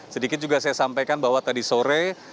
sedikit juga saya sampaikan bahwa tadi sore